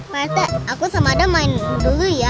pertek aku sama adam mainin dulu ya